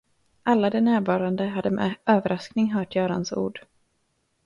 Alla de närvarande hade med överraskning hört Görans ord.